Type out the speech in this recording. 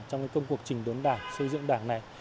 trong công cuộc trình đốn đảng xây dựng đảng này